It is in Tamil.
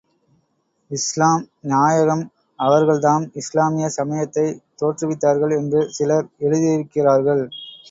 இஸ்லாம் நாயகம் அவர்கள்தாம் இஸ்லாமிய சமயத்தைத் தோற்றுவித்தார்கள் என்று சிலர் எழுதியிருக்கிறார்கள்.